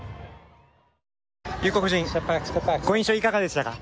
裕子夫人、ご印象いかがでしたか？